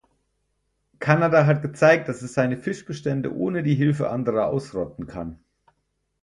Kanada hat gezeigt, dass es seine Fischbestände ohne die Hilfe anderer ausrotten kann.